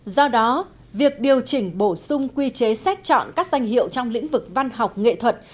do đó việc điều chỉnh bổ sung quy chế xét chọn các danh hiệu trong lĩnh vực văn học nghệ thuật